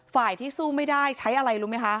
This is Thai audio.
ฝ่ายที่สู้ไม่ได้ใช้อะไรรู้ไหมคะ